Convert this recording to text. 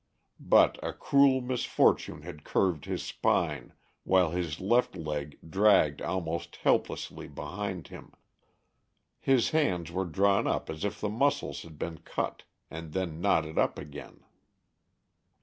But a cruel misfortune had curved his spine, while his left leg dragged almost helplessly behind him, his hands were drawn up as if the muscles had been cut and then knotted up again.